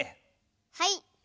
はい。